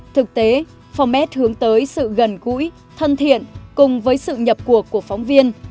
thực tế format hướng tới sự gần gũi thân thiện cùng với sự nhập cuộc của phóng viên